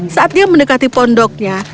saat dia mendekati pondoknya